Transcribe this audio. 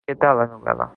I què tal, la novel·la?